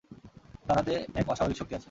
তার হাতে এক অস্বাভাবিক শক্তি আছে।